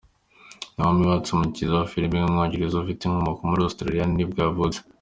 Naomi Watts, umukinnyikazi wa film w’umwongereza ufite inkomoko muri Australia ni bwo yavutse.